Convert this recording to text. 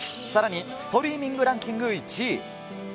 さらにストリーミングランキング１位。